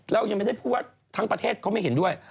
เรายังไม่ได้พูดว่าทั้งประเทศเขาไม่เห็นด้วย